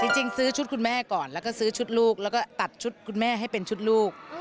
จริงซื้อชุดคุณแม่ก่อนแล้วก็ซื้อชุดลูกแล้วก็ตัดชุดคุณแม่ให้เป็นชุดลูก